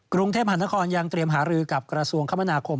กรุงเทพหานครยังเตรียมหารือกับกระทรวงคมนาคม